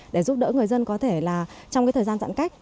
để giúp đỡ người dân có thể là trong cái thời gian giãn cách